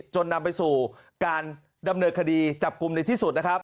จนนำไปสู่การดำเนินคดีจับกลุ่มในที่สุดนะครับ